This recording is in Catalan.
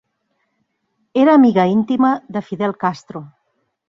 Era amiga íntima de Fidel Castro.